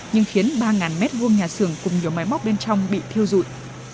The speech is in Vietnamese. nhưng khiến ba m hai nhà xưởng cùng nhiều máy móc bên trong bị thiêu dụi